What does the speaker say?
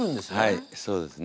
はいそうですね。